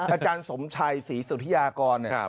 อาจารย์สมชัยศรีสุธิยากรเนี่ย